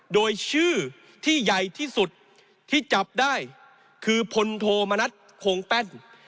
โดยชื่อที่ใหญ่ที่สุดที่จับได้คือพลโทมณัฐโคงแป้น